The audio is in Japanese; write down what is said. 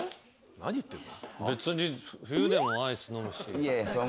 何言ってんの？